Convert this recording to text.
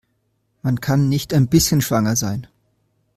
Man kann nicht ein bisschen schwanger sein.